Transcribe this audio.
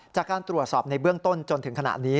จากการตรวจสอบในเบื้องต้นจนถึงขณะนี้